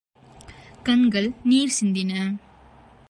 கண்கள் நீர் சிந்தின.